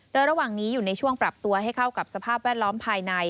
โดยระหว่างนี้อยู่ในช่วงปรับตัวให้เข้ากับสภาพแวดล้อมภายใน